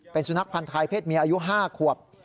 เป็นสุนัขพันธ์ไทยเพศเมียอายุ๕ขวบ